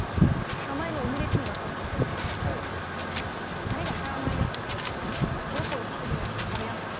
前のオムレツの中身もそうなんですけどたれが絡まりやすくなるっていうのありますしポロポロしすぎないんで食べやすいです